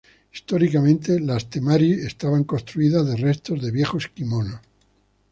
Históricamente, las "temari" estaban construidas de restos de viejos kimonos.